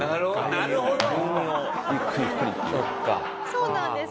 そうなんです。